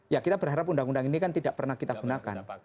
ya kita berharap undang undang ini kan tidak pernah kita gunakan